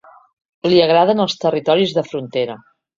Li agraden els territoris de frontera.